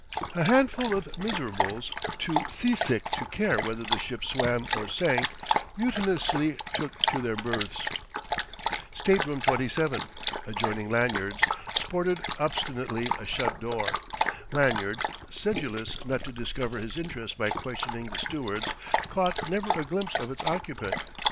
A handful of miserables, too seasick to care whether the ship swam or sank, mutinously took to their berths. Stateroom 27 adjoining Lanyard's sported obstinately a shut door. Lanyard, sedulous not to discover his interest by questioning the stewards, caught never a glimpse of its occupant.